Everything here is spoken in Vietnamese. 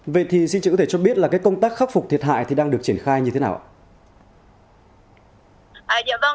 vậy thì xin chị có thể cho biết là công tác khắc phục thiệt hại đang được triển khai như thế nào